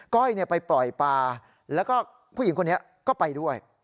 ้อยไปปล่อยปลาแล้วก็ผู้หญิงคนนี้ก็ไปด้วย